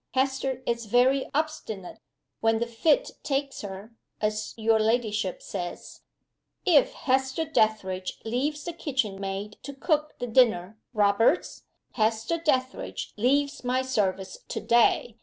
Hester is very obstinate, when the fit takes her as your ladyship says." "If Hester Dethridge leaves the kitchen maid to cook the dinner, Roberts, Hester Dethridge leaves my service to day.